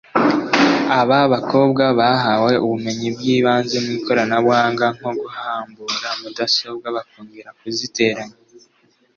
aba bakobwa bahawe ubumenyi bw’ibanze mu ikoranabuhanga nko guhambura mudasobwa bakongera kuziteranya